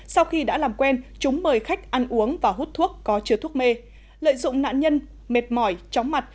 sau khi đã làm quen chúng mời khách ăn uống và hút thuốc có chứa thuốc mê lợi dụng nạn nhân mệt mỏi chóng mặt